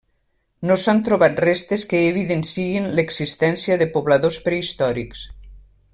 No s'han trobat restes que evidenciïn l'existència de pobladors prehistòrics.